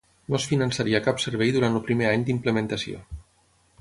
No es finançaria cap servei durant el primer any d'implementació.